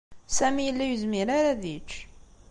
Sami yella ur yezmir ara ad yečč.